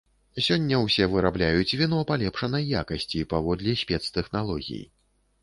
Сёння ўсе вырабляюць віно палепшанай якасці паводле спецтэхналогій.